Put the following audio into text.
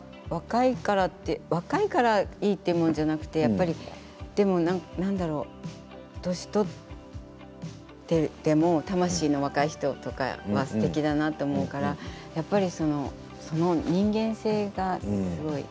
若いからいいというものじゃなくてでも、なんだろう年取ってても魂の若い人とかすてきだなと思うしやっぱり、その人間性がすごい。